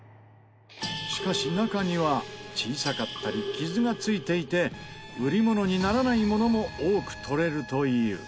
しかし中には小さかったり傷がついていて売り物にならないものも多くとれるという。